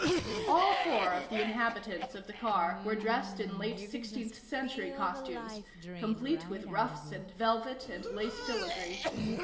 All four of the inhabitants of the car were dressed in late Sixteenth Century costumes, complete with ruffs and velvet and lace filigree.